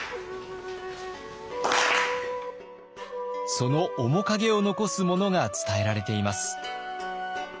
その面影を残すものが伝えられています。